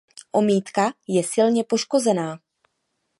Omítka je silně poškozená.